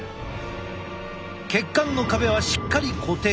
血管の壁はしっかり固定。